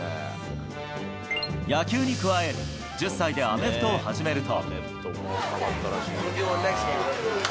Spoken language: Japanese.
野球に加え、１０歳でアメフトを始めると。